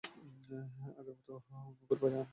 আগের মতোন মোগোর বাড়ি আন না ক্যা?